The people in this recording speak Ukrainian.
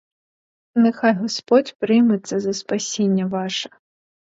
Нехай господь прийме це за спасіння ваше.